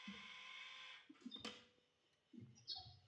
wapiganaji wanaoaminika kuwa wanachama wa